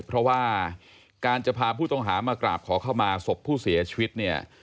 เพราะว่าการจะพาผู้ต้องหามากราบขอเข้ามาศพผู้เสียชีวิตเนี่ย